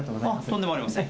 とんでもありません。